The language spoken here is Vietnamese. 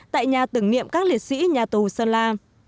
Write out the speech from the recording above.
tại nhà tưởng niệm các liệt sĩ nhà tù sơn la